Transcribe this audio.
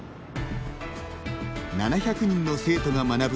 ７００人の生徒が学ぶ